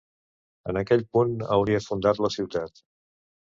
En aquell punt hauria fundat la ciutat.